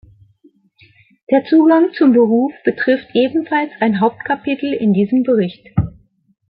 Der Zugang zum Beruf betrifft ebenfalls ein Hauptkapitel in diesem Bericht.